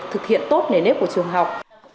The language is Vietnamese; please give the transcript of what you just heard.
thực hiện tốt nền nếp của trường học